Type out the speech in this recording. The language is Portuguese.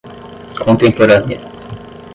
contemporânea